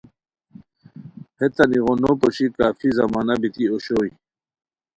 ہیتان ایغو نو پوشی کافی زمانہ بیتی اوشوئے